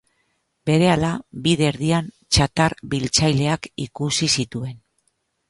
Berehala, bide erdian, txatar-biltzaileak ikusi zituzten.